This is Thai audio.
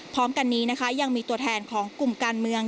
พร้อมกันนี้นะคะยังมีตัวแทนของกลุ่มการเมือง